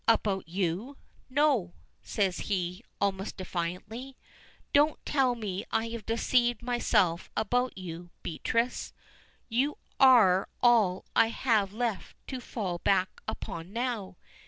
"About you? No!" says he, almost defiantly. "Don't tell me I have deceived myself about you, Beatrice; you are all I have left to fall back upon now."